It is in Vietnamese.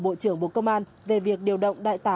bộ trưởng bộ công an về việc điều động đại tá